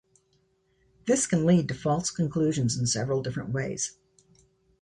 This can lead to false conclusions in several different ways.